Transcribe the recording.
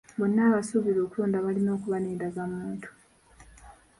Bonna abasuubira okulonda balina okuba n'endagamuntu.